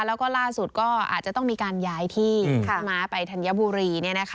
แล้วก็ล่าสุดก็อาจจะต้องมีการย้ายที่พี่ม้าไปธัญบุรี